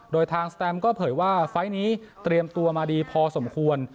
โดยทางสแตมก็เผยว่าไฟล์นี้เตรียมตัวมาดีพอสมควร